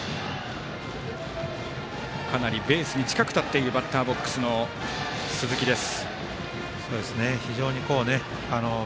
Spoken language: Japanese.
かなりベースに近く立っているバッターボックスの鈴木です。